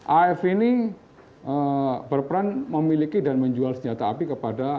af ini berperan memiliki dan menjual senjata api kepada